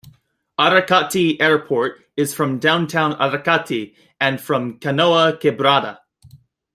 Aracati Airport is from downtown Aracati and from Canoa Quebrada.